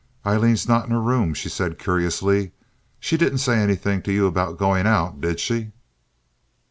"Aileen's not in her room," she said, curiously. "She didn't say anything to you about going out, did she?"